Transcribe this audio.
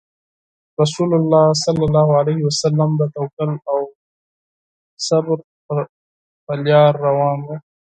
رسول الله صلى الله عليه وسلم د توکل او صبر په لار روان وو.